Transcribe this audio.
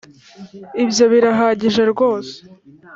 ibyo birahagije ryose.